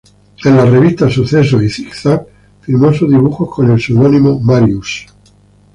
En las revistas "Sucesos" y Zig-Zag firmó sus dibujos con el seudónimo ""Marius"".